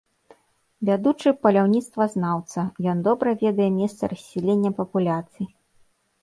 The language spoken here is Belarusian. Вядучы паляўніцтвазнаўца, ён добра ведае месцы рассялення папуляцый.